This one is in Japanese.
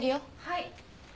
はい。